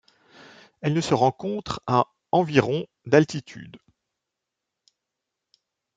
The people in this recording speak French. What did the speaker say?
Elle ne se rencontre à environ d'altitude.